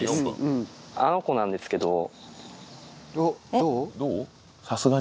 どう？